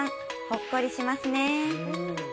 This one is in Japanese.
ほっこりしますね。